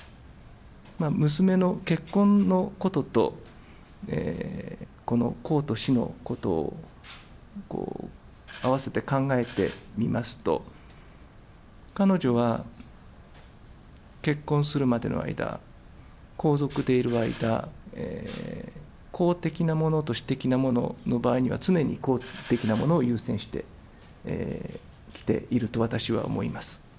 娘の結婚のことと、公と私のことを合わせて考えてみますと、彼女は、結婚するまでの間、皇族でいる間、公的なものと私的なものの場合には、常に公的なものを優先してきていると私は思います。